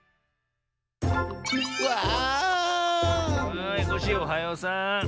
はいコッシーおはようさん。